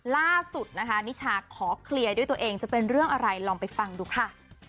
ล่าสุดนะคะนิชาขอเคลียร์ด้วยตัวเองจะเป็นเรื่องอะไรลองไปฟังดูค่ะ